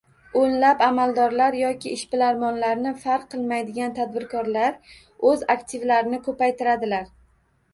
O'nlab amaldorlar yoki ishbilarmonlarni farq qilmaydigan tadbirkorlar o'z aktivlarini ko'paytiradilar